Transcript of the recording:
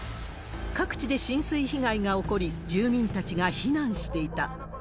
各地で浸水被害が起こり、住民たちが避難していた。